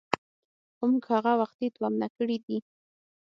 خو موږ هغه وختي تومنه کړي دي.